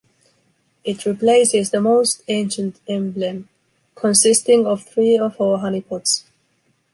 It replaces the most ancient emblem, consisting of three or four honeypots.